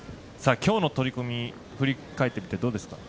今日の取組振り返ってみてどうですか？